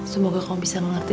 semoga kamu bisa mengerti